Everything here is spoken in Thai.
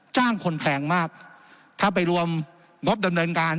จ้างคนแพงมากถ้าไปรวมงบดำเนินการ